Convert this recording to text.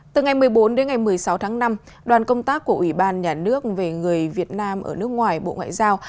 từ ngày một mươi bốn đến ngày một mươi sáu tháng năm đoàn công tác của ủy ban nhà nước về người việt nam ở nước ngoài bộ ngoại giao